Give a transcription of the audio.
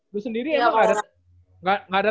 lu sendiri emang gak ada